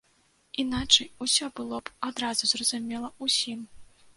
Іначай усё было б адразу зразумела ўсім.